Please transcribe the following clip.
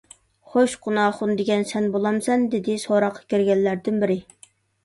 خوش، قۇناخۇن دېگەن سەن بولامسەن؟ _ دېدى سوراققا كىرگەنلەردىن بىرى.